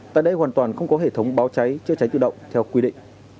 tại đây hoàn toàn không có hệ thống báo cháy chữa cháy tự động theo quy định